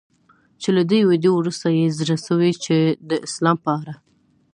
چي له دې ویډیو وروسته یې زړه سوی چي د اسلام په اړه